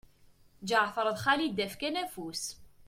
Ǧeɛfer d Xalida fkan afus.